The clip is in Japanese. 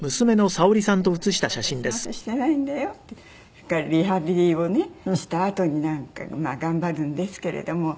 それからリハビリをねしたあとになんかまあ頑張るんですけれども。